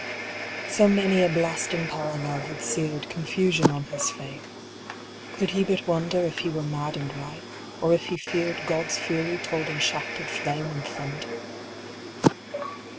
So many a blasting parallel had seared Confusion on his faith, could he but wonder If he were mad and right, or if he feared God's fury told in shafted flame and thunder?